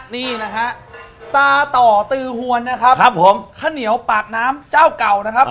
นี่นะฮะซาต่อตือหวนนะครับครับผมข้าวเหนียวปากน้ำเจ้าเก่านะครับ